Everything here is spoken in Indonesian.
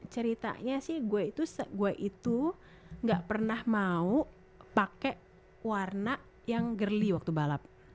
ceritanya sih gue itu gak pernah mau pakai warna yang girly waktu balap